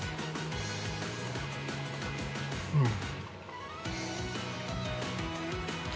うん。